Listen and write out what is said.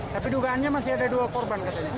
tapi dugaannya masih ada dua korban katanya